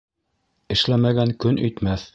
Эшләмәгән көн итмәҫ.